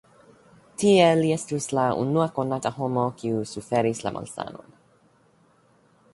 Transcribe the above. Tiel li estus la unua konata homo kiu suferis la malsanon.